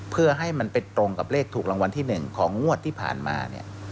เพื่อให้มันไปตรงกับเลขถูกรางวัลที่๑ของงวดที่ผ่านมาเนี่ย